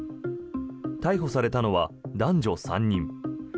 逮捕されたのは男女３人。